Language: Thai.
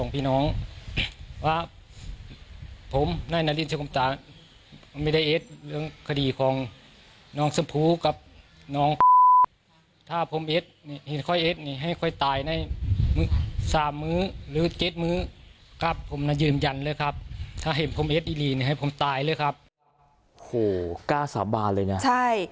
พี่ลีนให้ผมตายเลยครับโอ้โหกล้าสาบานเลยน่ะใช่